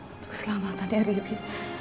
untuk keselamatan dari ibi